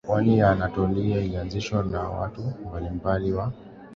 pwani ya Anatolia ilianzishwa na watu mbalimbali wa